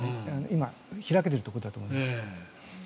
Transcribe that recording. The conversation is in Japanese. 今、開けているところだと思います。